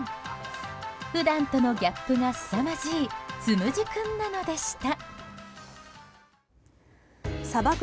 普段とのギャップがすさまじいつむじ君なのでした。